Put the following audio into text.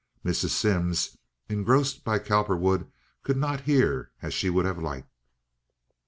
Mrs. Simms, engrossed by Cowperwood, could not hear as she would have liked.